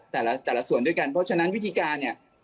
แต่ละแต่ละส่วนด้วยกันเพราะฉะนั้นวิธีการเนี่ย